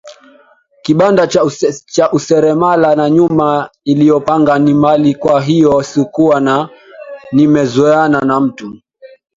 kibanda cha useremala na nyumba niliyopanga ni mbali Kwa hiyo sikuwa nimezoeana na mtu